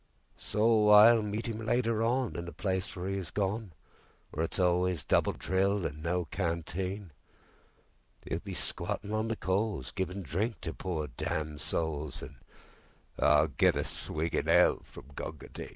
So I'll meet 'im later onIn the place where 'e is gone—Where it's always double drill and no canteen;'E'll be squattin' on the coalsGivin' drink to pore damned souls, An' I'll get a swig in Hell from Gunga Din!